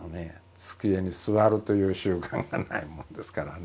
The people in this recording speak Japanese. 机に座るという習慣がないもんですからね。